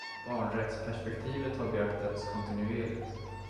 Barnrättsperspektivet har beaktats kontinuerligt.